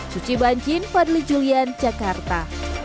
suci bancin fadli julian jakarta